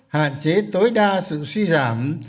hạn chế tối đa sự suy giảm